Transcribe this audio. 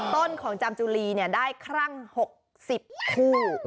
๑ต้นของจามจุรีเนี่ยได้ครั่ง๖๐คู่